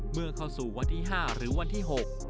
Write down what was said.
เมื่อเข้าสู่วันที่๕หรือวันที่๖